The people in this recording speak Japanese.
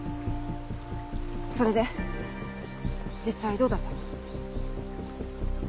それで実際どうだったの？